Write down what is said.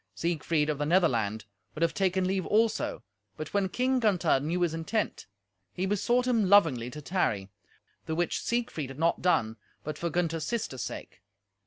Siegfried of the Netherland would have taken leave also, but when King Gunther knew his intent, he besought him lovingly to tarry, the which Siegfried had not done but for Gunther's sister's sake.